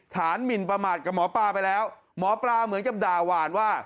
หมินประมาทกับหมอปลาไปแล้วหมอปลาเหมือนกับด่าหวานว่า